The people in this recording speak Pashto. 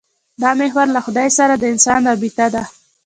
دا محور له خدای سره د انسان رابطه ده.